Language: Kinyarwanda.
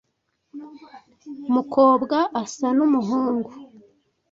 mukobwa asa numuhungu.